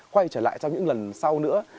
quay trở lại trong những lần sau nữa